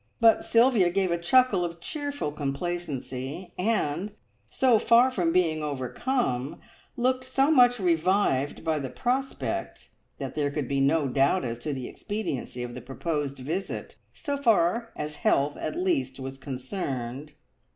But Sylvia gave a chuckle of cheerful complacency, and, so far from being overcome, looked so much revived by the prospect that there could be no doubt as to the expediency of the proposed visit, so far as health at least was concerned.